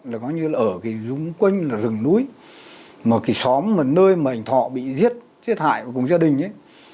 là có như là ở cái xung quanh rừng núi mà cái xóm mà nơi mà ảnh thọ bị giết giết hại cùng gia đình ấy